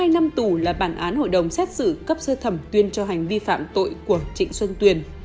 một mươi hai năm tù là bản án hội đồng xét xử cấp sơ thẩm tuyền cho hành vi phạm tội của chị xuân tuyền